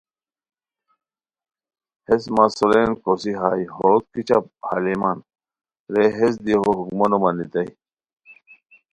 ہیس مہ سورین کوسی ہائے ہو کیچہ ہالیمان رے ہیس دی ہو حکمو نو مانیتائے